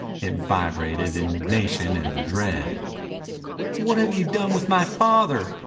It vibrated indignation and dread. "What have you done with my father?"